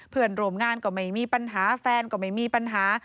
เพื่อนร่วมงานก็ไม่มีปัญหาแฟนก็ไม่มีปัญหา